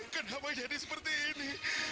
kenapa jadi seperti ini